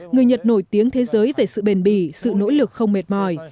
người nhật nổi tiếng thế giới về sự bền bỉ sự nỗ lực không mệt mỏi